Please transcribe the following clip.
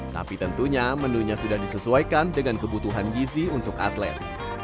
tapi tentunya menunya sudah disesuaikan dengan kebutuhan gizi untuk atlet